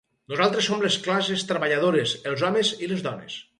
Nosaltres som les classes treballadores, els homes i les dones.